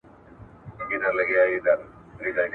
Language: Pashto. هغه وويل چې استثنا له لهجو راځي.